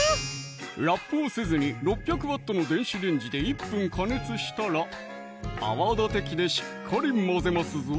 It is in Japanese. ラップをせずに６００Ｗの電子レンジで１分加熱したら泡立て器でしっかり混ぜますぞ！